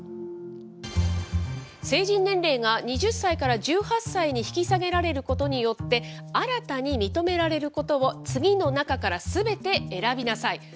成人年齢が２０歳から１８歳に引き下げられることによって、新たに認められることを次の中からすべて選びなさい。